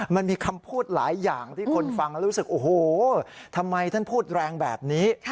มันมีคำพูดหลายอย่างที่คนฟังแล้วรู้สึกโอ้โหทำไมท่านพูดแรงแบบนี้